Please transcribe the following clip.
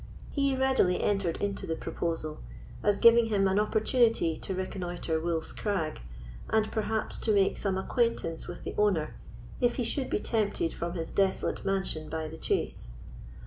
He readily entered into the proposal, as giving him an opportunity to reconnoitre Wolf's Crag, and perhaps to make some acquaintance with the owner, if he should be tempted from his desolate mansion by the chase.